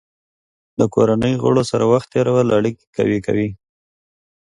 د کورنۍ غړو سره وخت تېرول اړیکې قوي کوي.